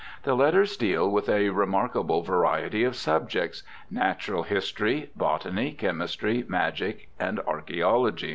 The letters deal with a remarkable variety of subjects — natural history, botany, chemistry, magic and archaeology, &c.